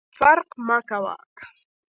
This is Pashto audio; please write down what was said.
فرق مه کوه !